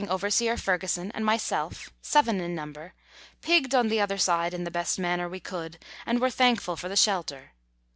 13 overseer Fergusson, and myself, seven in number, pigged on the other side in the best manner we could, and were thankful for the shelter.